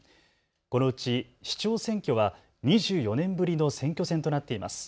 このうち市長選挙は２４年ぶりの選挙戦となっています。